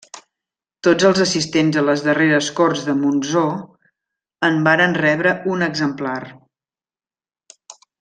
Tots els assistents a les darreres Corts de Montsó en varen rebre un exemplar.